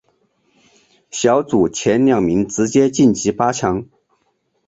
小组前两名直接晋级八强。